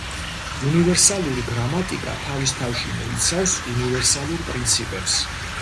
უნივერსალური გრამატიკა თავის თავში მოიცავს უნივერსალურ პრინციპებს.